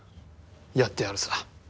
やってやるさ。